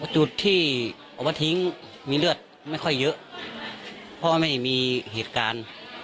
จุดที่เอามาทิ้งมีเลือดไม่ค่อยเยอะเพราะว่าไม่มีเหตุการณ์